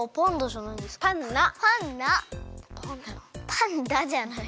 パンダじゃない。